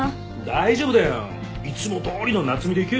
大丈夫だよ。いつもどおりの夏海でいけ！